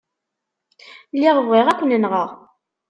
Lliɣ bɣiɣ ad ken-nɣeɣ.